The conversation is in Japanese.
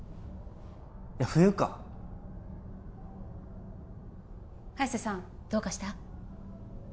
いや冬か早瀬さんどうかした？